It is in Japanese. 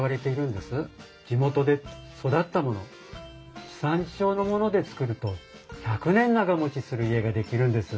地元で育ったもの地産地消のもので造ると１００年長もちする家が出来るんです。